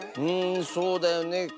うんそうだよね。